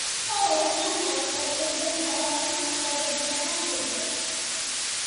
ცხოველთა სამყარო სტეპური და სავანური სახეობებისაგან შედგება.